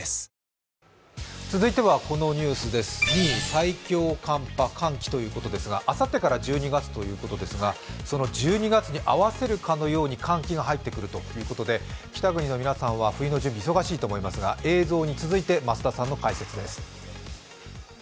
最強寒気ということですがあさってから１２月ということですが、その１２月に合わせるかのように寒気が入ってくるということで北国の皆さんは冬の準備忙しいと思いますが映像に続いて増田さんの解説です。